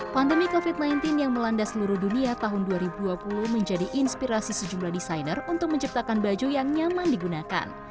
pandemi covid sembilan belas yang melanda seluruh dunia tahun dua ribu dua puluh menjadi inspirasi sejumlah desainer untuk menciptakan baju yang nyaman digunakan